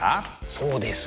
そうですね。